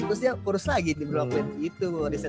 terus dia kurus lagi di brooklyn gitu reset gue